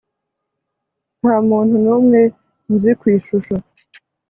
nta muntu n'umwe nzi ku ishusho